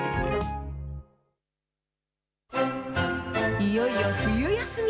いよいよ冬休み。